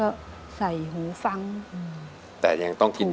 อเรนนี่คือเหตุการณ์เริ่มต้นหลอนช่วงแรกแล้วมีอะไรอีก